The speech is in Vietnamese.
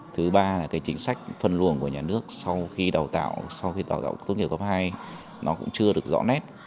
thứ ba là cái chính sách phân luồng của nhà nước sau khi đào tạo sau khi đào tạo tốt nghiệp cấp hai nó cũng chưa được rõ nét